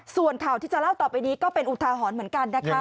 ส่วนข่าวที่จะเล่าต่อไปนี้ก็เป็นอุทาหรณ์เหมือนกันนะคะ